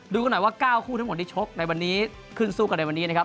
กันหน่อยว่า๙คู่ทั้งหมดที่ชกในวันนี้ขึ้นสู้กันในวันนี้นะครับ